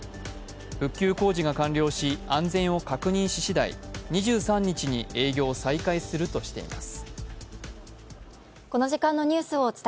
復旧工事が完了し、安全を確認ししだい２３日に営業を再開するとしています。